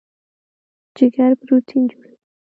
جګر پروټین جوړوي.